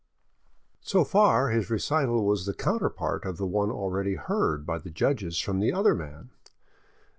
So far his recital was the counterpart of the one already heard by the judges from the other man.